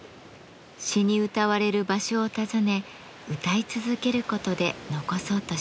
詞にうたわれる場所を訪ね歌い続けることで残そうとしています。